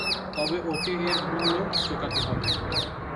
তবে ওকে এর মূল্য চোকাতে হবে।